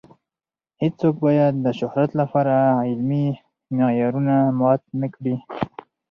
هیڅوک باید د شهرت لپاره علمي معیارونه مات نه کړي.